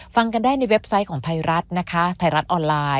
ฟังกันได้ในเว็บไซต์ของไทยรัฐนะคะไทยรัฐออนไลน์